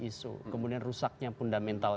isu kemudian rusaknya fundamental